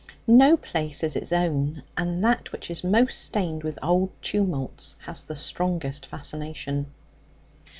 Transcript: No place is its own, and that which is most stained with old tumults has the strongest fascination.